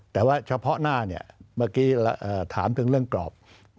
แต่ว่าเฉพาะหน้าเนี่ยเมื่อกี้ถามถึงเรื่องกรอบ